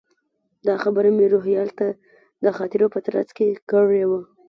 دا خبره مې روهیال ته د خاطرو په ترڅ کې کړې وه.